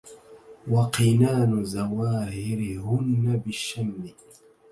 وقنان زواهر هن بالشم